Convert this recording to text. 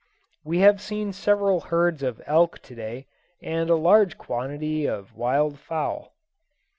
We have seen several herds of elk to day, and a large quantity of wild fowl.